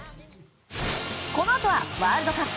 このあとはワールドカップ。